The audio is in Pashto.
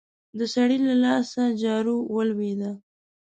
د سړي له لاسه جارو ولوېده.